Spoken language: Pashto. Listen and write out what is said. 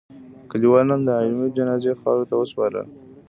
کلیوالو نن د علي جنازه خاورو ته و سپارله.